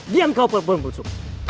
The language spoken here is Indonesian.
diam kau perempuan busuk